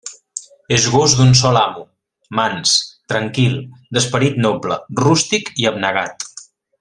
És gos d'un sol amo, mans, tranquil, d'esperit noble, rústic i abnegat.